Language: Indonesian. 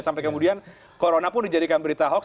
sampai kemudian corona pun dijadikan berita hoax